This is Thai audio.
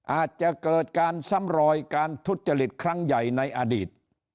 อาจจะเกิดการซ้ำรอยการทุจริตครั้งใหญ่ในอดีต